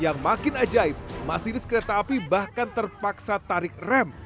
yang makin ajaib masinis kereta api bahkan terpaksa tarik rem